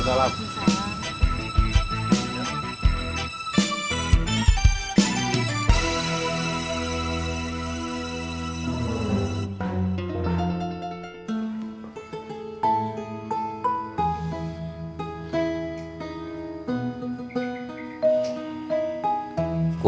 assalamualaikum assalamualaikum